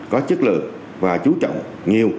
có chất lượng và chú trọng nhiều